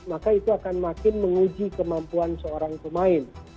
maka itu akan makin menguji kemampuan seorang pemain